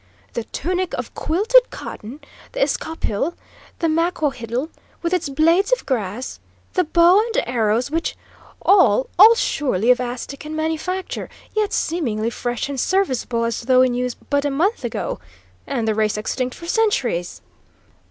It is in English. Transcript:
"The tunic of quilted cotton, the escaupil! The maquahuitl, with its blades of grass! The bow and arrows which all, all surely of Aztecan manufacture, yet seemingly fresh and serviceable as though in use but a month ago! And the race extinct for centuries!"